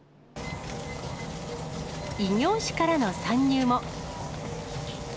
異業種からの参入も。